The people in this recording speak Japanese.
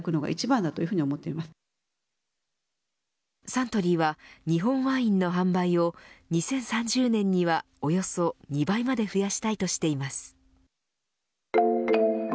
サントリーは日本ワインの販売を２０３０年にはおよそ２倍まで増やしたいとしています。